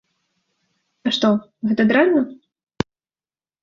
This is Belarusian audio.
А што, гэта дрэнна?